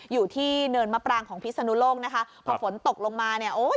อยู่ที่เนินมะปรางของพิศนุโลกนะคะพอฝนตกลงมาเนี่ยโอ้ย